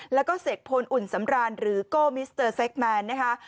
แล้วก็เสกพลอุ่นสำรานหรือโก้มิสเตอร์เซคแมนนะคะ